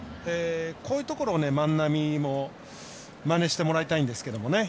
こういうところを万波もまねしてもらいたいんですけどね。